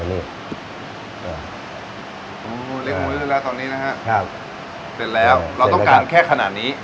เล็กน้อยแล้วตอนนี้นะครับเสร็จแล้วเราต้องการแค่ขนาดนี้